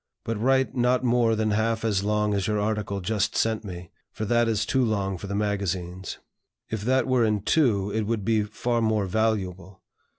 But write not more than half as long as your article just sent me, for that is too long for the magazines. If that were in two, it would be far more valuable.